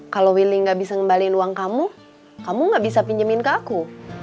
kalau willy gak bisa ngembaliin uang kamu kamu gak bisa pinjemin ke aku